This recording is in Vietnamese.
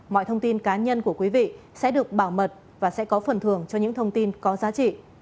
mọi thông tin cá nhân của quý vị sẽ được bảo mật và sẽ có phần thường cho những thông tin có giá trị